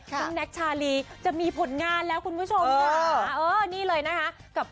แน็กชาลีจะมีผลงานแล้วคุณผู้ชมค่ะ